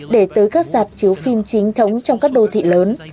để tới các dạp chiếu phim chính thống trong các đô thị lớn